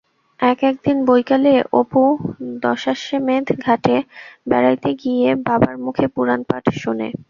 এক-একদিন বৈকালে অপু দশাশ্বমেধ ঘাটে বেড়াইতে গিয়া বাবার মুখে পুরাণপাঠ শোনে।